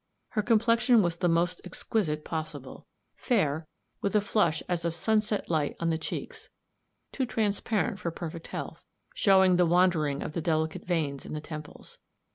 Her complexion was the most exquisite possible, fair, with a flush as of sunset light on the cheeks too transparent for perfect health, showing the wandering of the delicate veins in the temples.